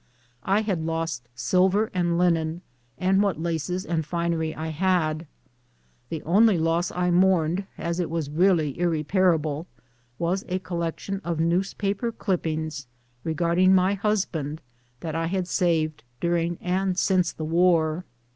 I had lost silver and linen, and what laces and finery I had. The THE BURNING OF OUR QUARTERS. 117 only loss I mourned, as it was really irreparable, was a collection of newspaper clippings regarding my hus band that I had saved during and since the war.